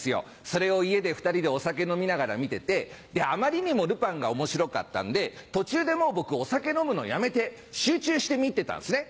それを家で２人でお酒飲みながら見ててあまりにも『ルパン』が面白かったんで途中でもう僕お酒飲むのやめて集中して見てたんですね。